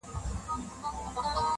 یوه ورځ وو یو صوفي ورته راغلی-